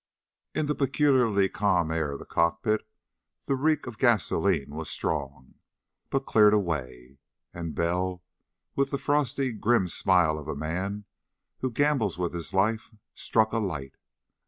In the peculiarly calm air of the cockpit the reek of gasoline was strong, but cleared away. And Bell, with the frosty grim smile of a man who gambles with his life, struck a light.